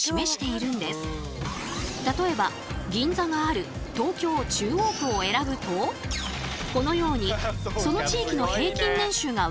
例えば銀座がある東京・中央区を選ぶとこのようにその地域の平均年収が分かるってわけ。